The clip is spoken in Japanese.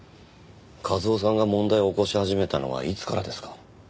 一雄さんが問題を起こし始めたのはいつからですか？